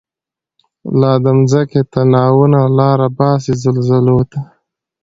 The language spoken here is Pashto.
لا د مځکی تناوونه، لاره باسی زلزلوته